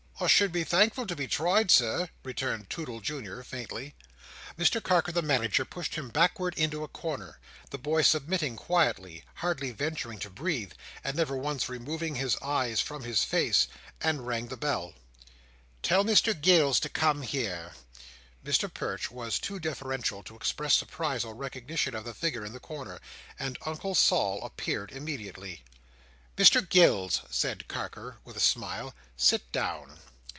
"I should be thankful to be tried, Sir," returned Toodle Junior, faintly. Mr Carker the Manager pushed him backward into a corner—the boy submitting quietly, hardly venturing to breathe, and never once removing his eyes from his face—and rang the bell. "Tell Mr Gills to come here." Mr Perch was too deferential to express surprise or recognition of the figure in the corner: and Uncle Sol appeared immediately. "Mr Gills!" said Carker, with a smile, "sit down.